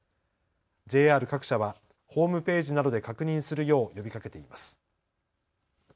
ＪＲ各社はホームページなどで確認するよう呼びかけています。